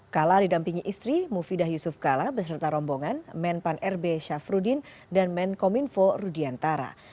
kala didampingi istri mufidah yusuf kala beserta rombongan men pan rb syafruddin dan men kominfo rudiantara